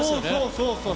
そうそう。